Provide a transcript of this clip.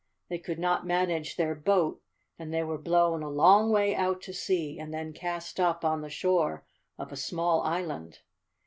They could not manage their boat and they were blown a long way out to sea and then cast up on the shore of a small island.